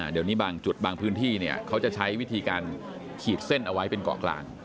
เดี๋ยวนี้บางจุดบางพื้นที่เขาจะใช้วิธีการขีดเส้นเอาไว้เป็นเกาะกลาง